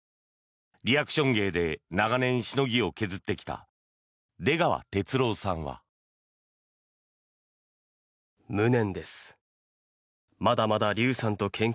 リアクション芸で長年、しのぎを削ってきた出川哲朗さんは。ヤー！